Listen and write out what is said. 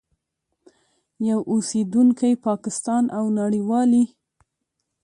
یو اوسېدونکی پاکستان او نړیوالي